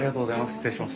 失礼します。